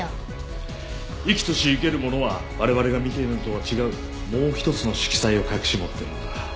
生きとし生けるものは我々が見ているのとは違うもう一つの色彩を隠し持っているんだ。